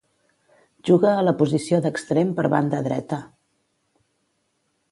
Juga a la posició d'extrem per banda dreta.